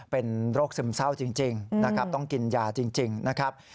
เป็นโรคซึมเศร้าจริงนะครับต้องกินยาจริงนะครับ